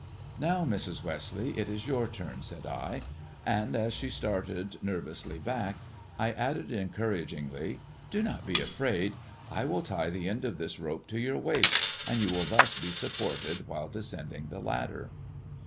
" Now, Mrs. Westleigh, it is your turn," said I ; and as she started nervously back I added encouragingly, "Do not be afraid, I will tie the end of this rope to your waist, and you will thus be supported while descending the ladder."